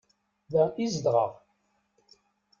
Da i zedɣeɣ.